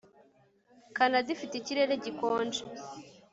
Kanada ifite ikirere gikonje